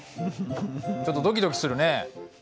ちょっとドキドキするね。